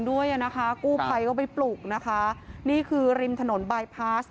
ด้วยอ่ะนะคะกู้ภัยก็ไปปลุกนะคะนี่คือริมถนนบายพาส